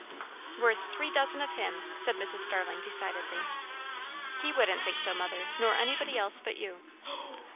"Worth three dozen of him," said Mrs. Starling decidedly. "He wouldn't think so, mother, nor anybody else but you."